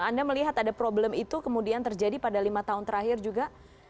anda melihat ada problem itu kemudian terjadi pada lima tahun terakhir juga